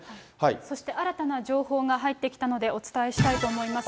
そして新たな情報が入ってきたのでお伝えしたいと思います。